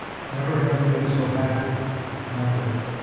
Never had he been so happy, never!